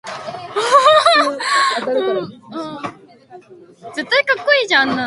Commas are often defined as the difference in size between two semitones.